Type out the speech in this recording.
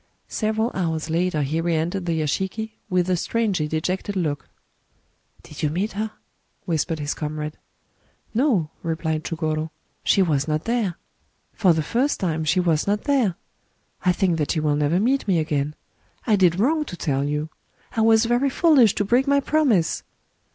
Several hours later he re entered the yashiki, with a strangely dgected look. " Did you meet her ?" whispered his comrade. " No," replied Chugoro ;" she was not there. For the first time, she was not there. I think that she will never meet me again. I did wrong to tell you ;— I was very foolish to break my promise.